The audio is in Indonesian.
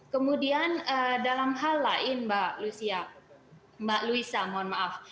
kemudian dalam hal lain mbak lucia mbak luisa mohon maaf